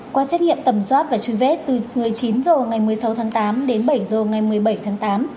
qua xét nghiệm tầm soát và truy vết từ một mươi chín h ngày một mươi sáu tháng tám đến bảy h ngày một mươi bảy tháng tám